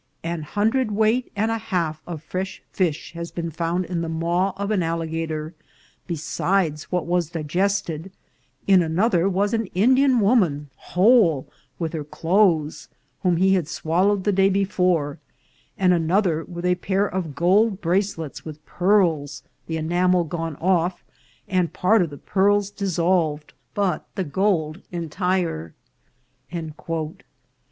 An hundred Weight and an half of fresh Fish has been found in the Maw of an Alligator, besides what was digested ; in another was an Indian Woman whole, with her Cloaths, whom he had swallow ed the Day before, and another with a pair of Gold Bracelets, with Pearls, the Enamel gone off, and Part of the Pearls dissolved, but the Gold entire."